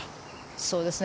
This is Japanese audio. そうですね。